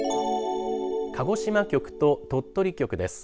鹿児島局と鳥取局です。